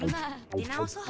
出直そう。